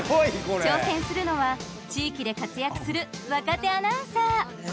挑戦するのは地域で活躍する若手アナウンサー。